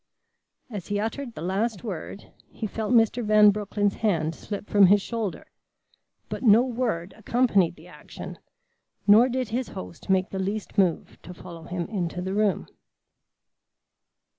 As he uttered the last word he felt Mr. Van Broecklyn's hand slip from his shoulder, but no word accompanied the action, nor did his host make the least move to follow him into the room.